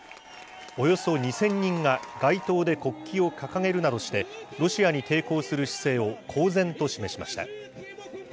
およそ２０００人が街頭で国旗を掲げるなどして、ロシアに抵抗する姿勢を公然と示しました。